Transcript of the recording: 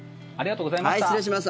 失礼します。